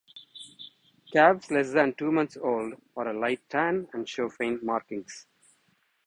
Calves less than two months old are a light tan and show faint markings.